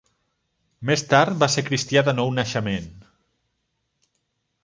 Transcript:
Més tard va ser cristià de nou naixement.